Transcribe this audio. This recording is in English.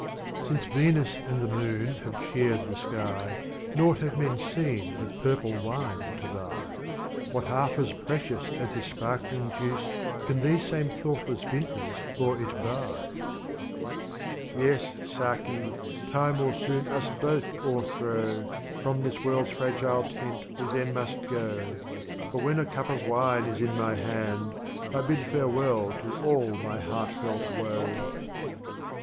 Since Venus and the Moon have cheered the Sky, Naught have Men seen with Purple Wine to vie; What half as precious as this sparkling Juice, Can these same thoughtless Vintners for it buy?" XV. Yes, Sdki, Time will soon us both o'erthrow. From this World's Fragile Tent we then must go, But when a Cup of Wine is in my hand, I bid farewell to all my heartfelt Woe. 43 Strophes of Omar Khayyam. XVI.